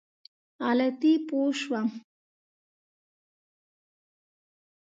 غلطي پوه شوم.